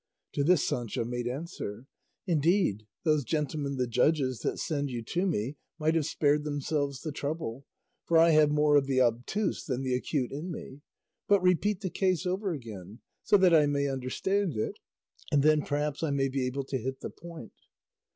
To this Sancho made answer, "Indeed those gentlemen the judges that send you to me might have spared themselves the trouble, for I have more of the obtuse than the acute in me; but repeat the case over again, so that I may understand it, and then perhaps I may be able to hit the point."